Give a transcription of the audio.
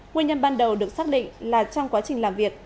nguyên nhân ban đầu được xác định là trong quá trình làm việc